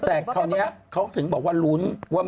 แต่คราวนี้เขาถึงบอกว่าลุ้นว่า